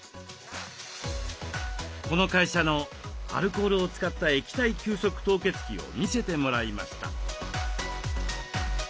この会社のアルコールを使った液体急速凍結機を見せてもらいました。